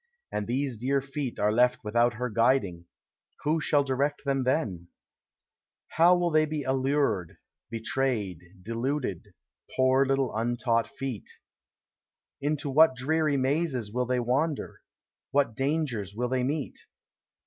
And these dear feet are left without her guiding, Who shall direct them then? 20 POEMS OF HOME. How will they be allured, betrayed, deluded, Poor little untaught feet! Into what dreary mazes will they wander, What dangers will they meet?